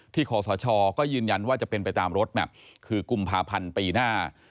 ขอสชก็ยืนยันว่าจะเป็นไปตามรถแมพคือกุมภาพันธ์ปีหน้า